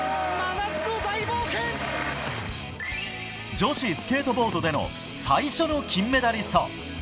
女子スケートボードでの最初の金メダリスト。